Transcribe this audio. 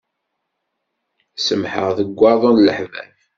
Semmḥeɣ deg waḍu n leḥbab.